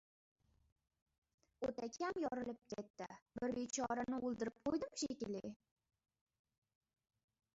O‘takam yorilib ketdi, bir bechorani o‘ldirib qo‘ydim shekilli!